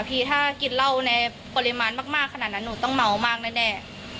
พี่ถ้ากินเหล้าในปริมาณมากขนาดนั้นหนูต้องเมามากแน่